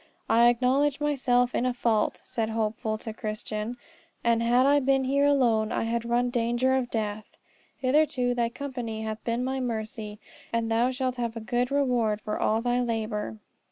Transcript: "I acknowledge myself in a fault," said Hopeful to Christian, "and had I been here alone I had run in danger of death. Hitherto, thy company hath been my mercy, and thou shalt have a good reward for all thy labour."